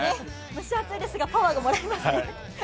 蒸し暑いですが、パワーがもらえますね。